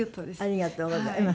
ありがとうございます。